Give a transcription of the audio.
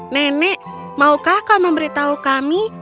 nenek maukah kau memberitahu kami